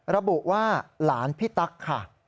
ระบุว่าหลานพี่ตั๊กค่ะ